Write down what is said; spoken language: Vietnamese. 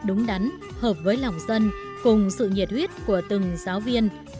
đúng đắn hợp với lòng dân cùng sự nhiệt huyết của từng giáo viên